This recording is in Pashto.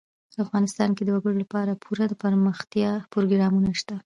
افغانستان کې د وګړي لپاره پوره دپرمختیا پروګرامونه شته دي.